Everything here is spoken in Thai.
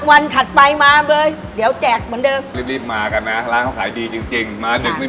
วันถัดไปมาเลยเดี๋ยวแจกเหมือนเดิม